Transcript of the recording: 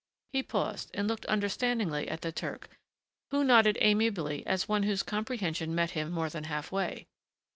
He paused and looked understandingly at the Turk, who nodded amiably as one whose comprehension met him more than half way.